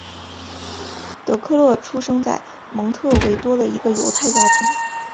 德克勒出生在蒙特维多的一个犹太家庭。